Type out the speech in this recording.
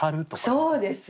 そうです。